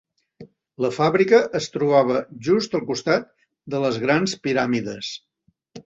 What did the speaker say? La fàbrica es trobava just al costat de les grans piràmides.